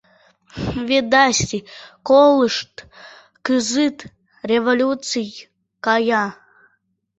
Ведаси, колышт, кызыт революций кая.